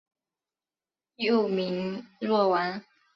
幼名若丸。